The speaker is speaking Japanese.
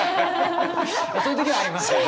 そういう時はありますね。